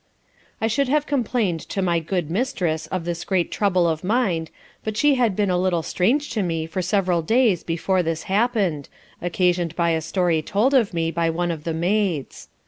I should have complained to my good mistress of this great trouble of mind, but she had been a little strange to me for several days before this happened, occasioned by a story told of me by one of the maids.